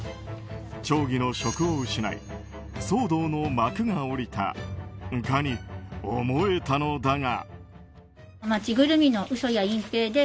町議の職を失い騒動の幕が下りたかに思えたのだが。